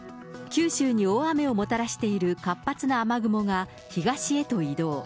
九州に大雨をもたらしている活発な雨雲が東へと移動。